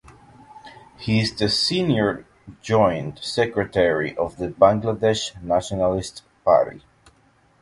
He is the Senior Joint Secretary of the Bangladesh Nationalist Party.